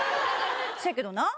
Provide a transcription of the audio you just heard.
せやけどな